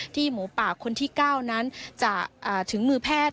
หมูป่าคนที่๙นั้นจะถึงมือแพทย์